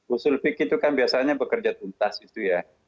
usul fikir itu kan biasanya bekerja tuntas itu ya